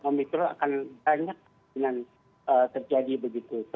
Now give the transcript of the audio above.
omikron akan banyak dengan terjadi begitu